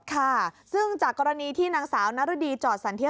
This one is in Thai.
ค่ะซึ่งจากกรณีที่นางสาวนรดีจอดสันเทีย